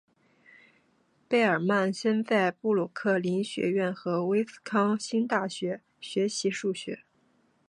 贝尔曼先后在布鲁克林学院和威斯康星大学学习数学。